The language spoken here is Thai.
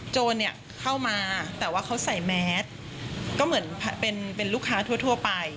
โจรเนี่ยเข้ามาแต่ว่าเขาใส่แมสก็เหมือนเป็นลูกค้าทั่วไป